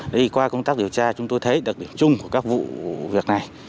thì qua công tác điều tra chúng tôi thấy đặc điểm chung của các vụ việc này